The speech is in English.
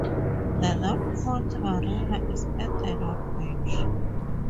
The North Point Marina is at the north beach.